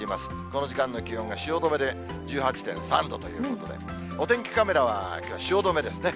この時間の気温が汐留で１８．３度ということで、お天気カメラは、きょう、汐留ですね。